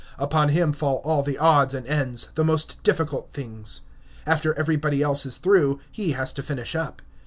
Upon him fall all the odds and ends, the most difficult things. After everybody else is through, he has to finish up.